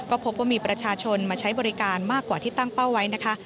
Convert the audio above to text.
ก็พบว่ามีประชาชนมาใช้บริการมากกว่าที่ตั้งเป้าไว้นะคะ